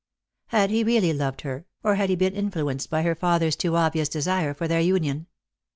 Had he really loved her, or had he been influenced by her father's too obvious desire for their union